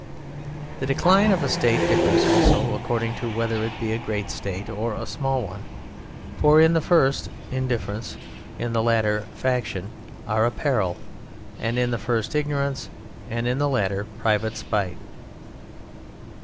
The decline of a State differs also according to whether it be a great State or a small one, for in the first indifference, in the latter faction, are a peril, and in the first ignorance, in the latter private spite.